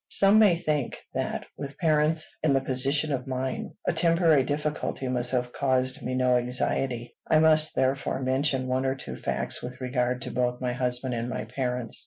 Some may think, that, with parents in the position of mine, a temporary difficulty need have caused me no anxiety: I must, therefore, mention one or two facts with regard to both my husband and my parents.